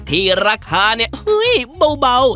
ที่ราคาเนี่ยหึบ่าว